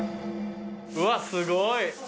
うわすごい。